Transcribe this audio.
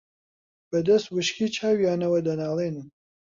بەدەست وشکی چاویانەوە دەناڵێنن